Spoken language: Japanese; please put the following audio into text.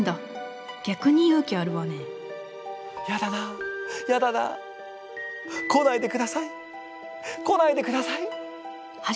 「やだなやだな来ないでください！来ないでください！」。